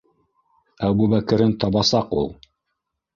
Әбүбәкерен табасаҡ ул!